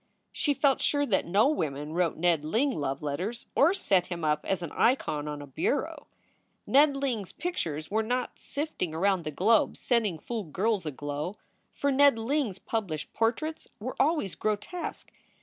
She felt sure that no women wrote Ned Ling love letters or set him up as an icon on a bureau. Ned Ling s pictures 332 SOULS FOR SALE were not sifting around the globe, setting fool girls aglow, for Ned Ling s published portraits were always grotesque.